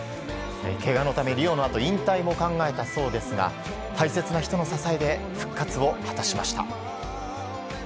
けがのためリオのあと引退も考えたそうですが大切な人の支えで復活を果たしました。